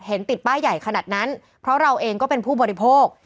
เห็นติดป้ายใหญ่ขนาดนั้นเพราะเราเองก็เป็นผู้บริโภค